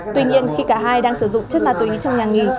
tuy nhiên khi cả hai đang sử dụng chất ma túy trong nhà nghỉ